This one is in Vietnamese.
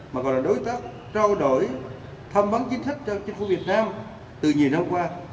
mà còn là đối tác trao đổi thăm vấn chính sách cho chính phủ việt nam từ nhiều năm qua